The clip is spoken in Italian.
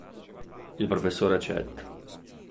Il professore accetta.